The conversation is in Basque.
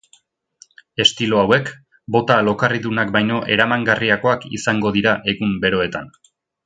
Estilo hauek bota lokarridunak baino eramangarriagoak izango dira egun beroetan.